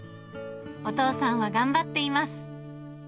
お父さんは頑張っています。